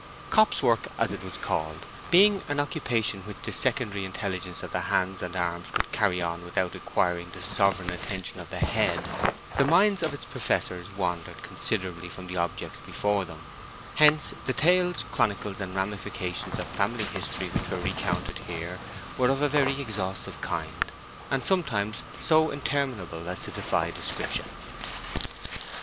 Copse work, as it was called, being an occupation which the secondary intelligence of the hands and arms could carry on without requiring the sovereign attention of the head, the minds of its professors wandered considerably from the objects before them; hence the tales, chronicles, and ramifications of family history which were recounted here were of a very exhaustive kind, and sometimes so interminable as to defy description.